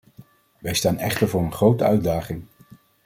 Wij staan echter voor een grote uitdaging.